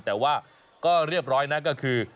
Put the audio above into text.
แต่ว่าก็เรียบร้อยนะก็คือ